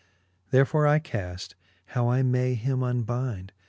Therefore I caft, how I may him unbind.